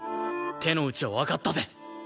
手のうちはわかったぜ。